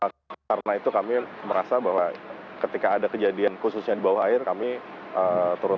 karena itu kami merasa bahwa ketika ada kejadian khususnya di bawah air kami turun